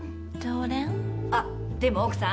あっでも奥さん